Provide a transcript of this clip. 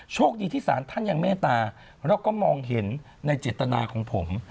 โชคดีที่สารท่านยังเมตตาแล้วก็มองเห็นในเจตนาของผม